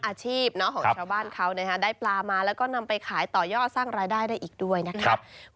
อาชีพของชาวบ้านเขาได้ปลามาแล้วก็นำไปขายต่อยอดสร้างรายได้ได้อีกด้วยนะครับ